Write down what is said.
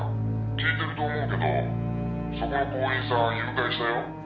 聞いてると思うけどそこの行員さん誘拐したよ」